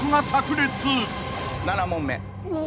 ７問目。